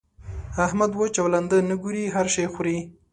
احمد؛ وچ او لانده نه ګوري؛ هر شی خوري.